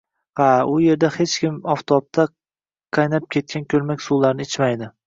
Ha, u yerda hech kim oftobda qaynab ketgan ko‘lmak suvlarni ichmaydi